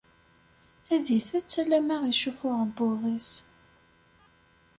Ad itett alamma icuff uɛebbuḍ-is.